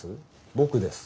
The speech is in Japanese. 僕です。